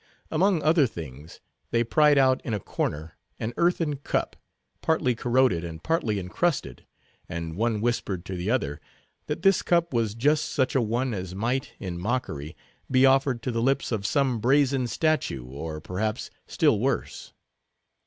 Among other things, they pried out, in a corner, an earthen cup, partly corroded and partly encrusted, and one whispered to the other, that this cup was just such a one as might, in mockery, be offered to the lips of some brazen statue, or, perhaps, still worse.